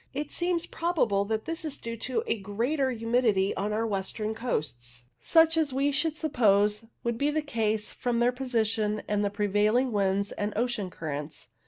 It seems probable that this is due to a greater humidity on our western coasts, such as we should suppose would be the case from their position and the prevailing winds and ocean currents.